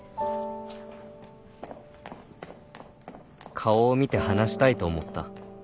顔を見て話したいと思った